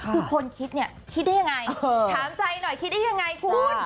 คือคนคิดเนี่ยคิดได้ยังไงถามใจหน่อยคิดได้ยังไงคุณ